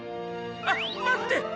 あっまって！